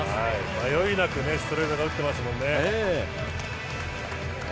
迷いなくストレートで打ってますもんね。